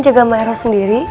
jaga maero sendiri